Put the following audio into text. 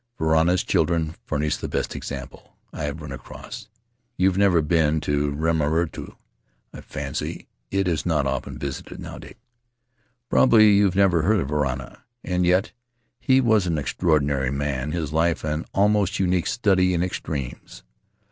Varana's children furnish the best example I have run across — you've never been to Rimarutu, I fancy; it is not often visited nowadays; probably you've never heard of Varana. And yet he was an extraordinary man, his life an almost unique study in extremes.